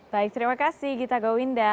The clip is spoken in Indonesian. baik terima kasih gita gawinda